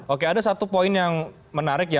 oke ada satu poin yang menarik ya